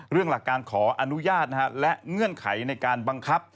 หลักการขออนุญาตและเงื่อนไขในการบังคับ